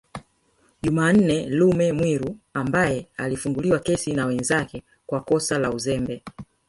Jumanne Lume Mwiru ambaye alifunguliwa kesi na wenzake kwa kosa la uzembe